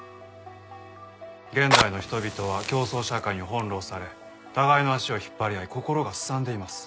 現代の人々は競争社会に翻弄され互いの足を引っ張り合い心がすさんでいます。